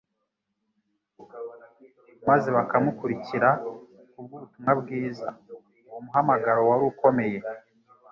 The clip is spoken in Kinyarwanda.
maze bakamukurikira kubw'ubutumwa bwiza, uwo muhamagaro wari ukomeye.